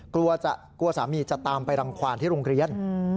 กลัวสามีจะตามไปรังความที่โรงเรียน